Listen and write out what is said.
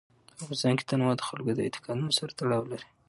په افغانستان کې تنوع د خلکو د اعتقاداتو سره تړاو لري.